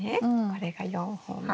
これが４本目。